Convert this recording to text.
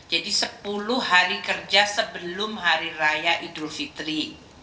jadi sepuluh hari kerja sebelum hari raya idul fitri